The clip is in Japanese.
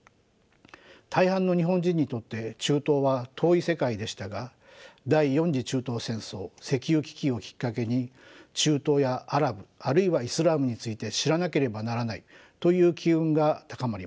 大半の日本人にとって中東は遠い世界でしたが第４次中東戦争石油危機をきっかけに中東やアラブあるいはイスラームについて知らなければならないという機運が高まりました。